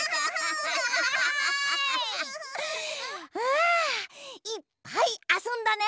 あいっぱいあそんだね！